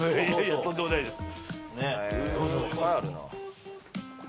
とんでもないです。